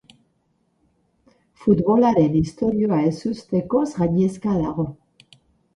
Futbolaren historia ezustekoz gainezka dago.